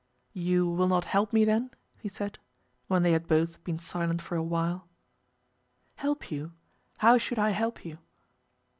"You will not help me then?" he said, when they had both been silent for a while. "Help you? How should I help you?"